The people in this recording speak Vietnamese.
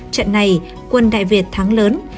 trận này quân đại việt thắng lớn